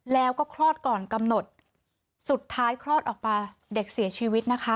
แล้วก็คลอดก่อนกำหนดสุดท้ายคลอดออกมาเด็กเสียชีวิตนะคะ